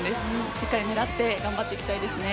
しっかり狙って頑張っていきたいですね。